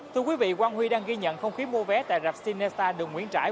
thưa quý vị quang huy đang ghi nhận không khí mua vé tại rạp cinesta đường nguyễn trãi